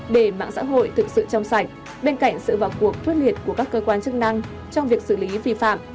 để mạng xã hội thực sự trong sạch bên cạnh sự vào cuộc quyết liệt của các cơ quan chức năng trong việc xử lý vi phạm